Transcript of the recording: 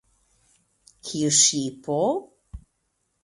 Kiu ŝipo?